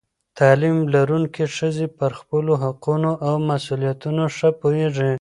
تعلیم لرونکې ښځې پر خپلو حقونو او مسؤلیتونو ښه پوهېږي.